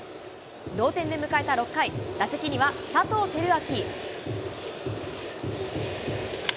同点で迎えた６回、打席には佐藤輝明。